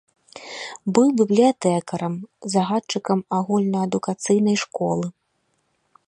Быў бібліятэкарам, загадчыкам агульнаадукацыйнай школы.